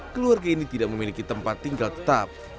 keluarga ini tidak memiliki tempat tinggal tetap